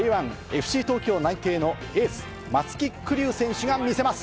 ・ＦＣ東京内定のエース、松木玖生選手が見せます。